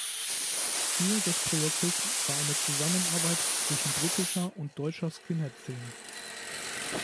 Ziel des Projektes war eine Zusammenarbeit zwischen britischer und deutscher Skinhead-Szene.